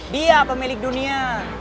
dia pemilik dunia